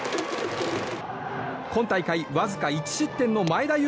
今大会、僅か１失点の前田悠